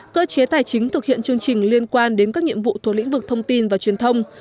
cơ chế tài chính thực hiện chương trình liên quan đến các nhiệm vụ thuộc lĩnh vực thông tin và truyền thông